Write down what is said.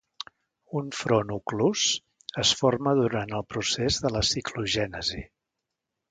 Un front oclús es forma durant el procés de la ciclogènesi.